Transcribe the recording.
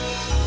eh siapa sih